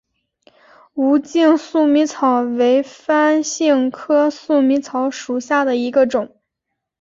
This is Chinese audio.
无茎粟米草为番杏科粟米草属下的一个种。